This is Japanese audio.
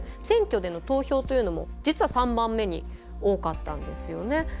選挙での投票というのも実は３番目に多かったんですよね。